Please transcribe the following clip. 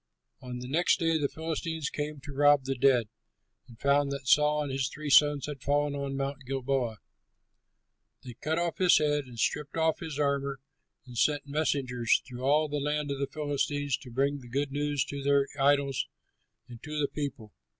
On the next day, the Philistines came to rob the dead, and found that Saul and his three sons had fallen on Mount Gilboa. They cut off his head and stripped off his armor and sent messengers through all the land of the Philistines to bring the good news to their idols and to the people.